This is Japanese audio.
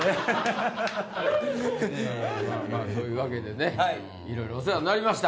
まぁそういうわけでねいろいろお世話になりました！